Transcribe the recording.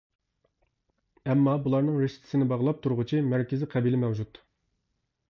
ئەمما بۇلارنىڭ رىشتىسىنى باغلاپ تۇرغۇچى مەركىزى قەبىلە مەۋجۇت.